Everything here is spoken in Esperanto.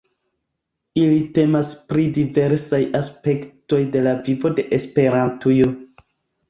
Ili temas pri diversaj aspektoj de la vivo de Esperantujo.